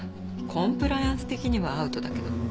コンプライアンス的にはアウトだけど。